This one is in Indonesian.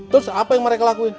terus apa yang mereka lakuin